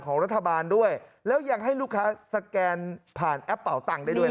ของรัฐบาลด้วยแล้วยังให้ลูกค้าสแกนผ่านแอปเป่าตังค์ได้ด้วย